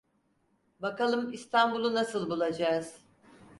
Bakalım İstanbul'u nasıl bulacağız…